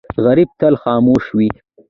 غریب تل خاموش وي